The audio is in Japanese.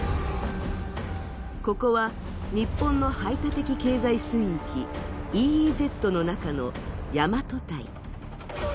ここは日本の排他的経済水域＝ＥＥＺの中の大和堆。